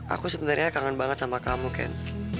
aku sebenernya kangen banget sama kamu ken